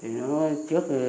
thì nó trước